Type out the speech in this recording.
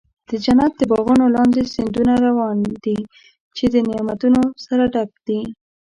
د جنت د باغونو لاندې سیندونه روان دي، چې د نعمتونو سره ډک دي.